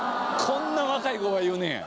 こんな若い子が言うねや。